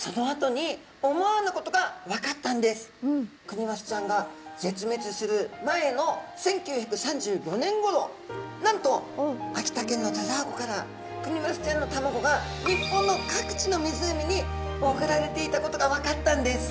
クニマスちゃんが絶滅する前の１９３５年ごろなんと秋田県の田沢湖からクニマスちゃんの卵が日本の各地の湖に送られていたことが分かったんです！